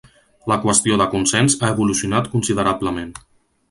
La qüestió de consens ha evolucionat considerablement.